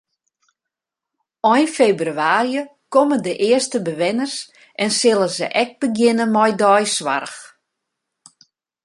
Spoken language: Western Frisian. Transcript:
Ein febrewaarje komme de earste bewenners en sille se ek begjinne mei deisoarch.